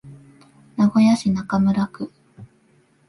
名古屋市中村区